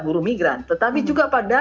buru migran tetapi juga pada